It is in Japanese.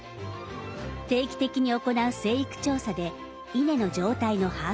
定期的に行う生育調査で稲の状態の把握